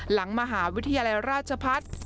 หลังมหาวิทยาลัยราชพัฒน์